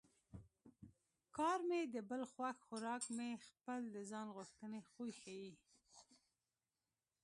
کار مې د بل خوښ خوراک مې خپل د ځان غوښتنې خوی ښيي